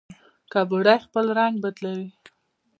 کربوړی خپل رنګ بدلوي